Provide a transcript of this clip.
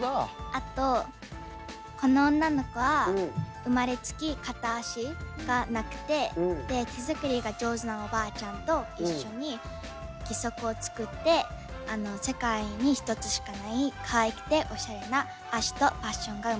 あとこの女の子は生まれつき片足がなくて手作りが上手なおばあちゃんと一緒に義足を作って世界に１つしかないかわいくておしゃれな足とパッションが生まれます。